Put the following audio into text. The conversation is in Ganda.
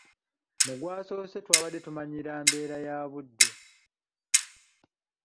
Mu gwasoose twabadde tumanyiira mbeera ya budde.